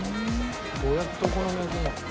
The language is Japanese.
どうやってお好み焼きに。